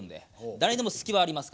誰にでも隙はありますから。